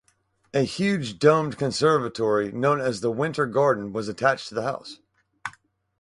A huge domed conservatory known as the winter garden was attached to the house.